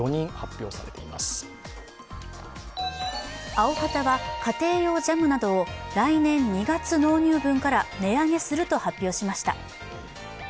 アヲハタは家庭用ジャムなどを来年２月納入分から値上げすると発表しました。